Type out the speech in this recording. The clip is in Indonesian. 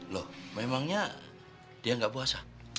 loh memangnya dia nggak puasa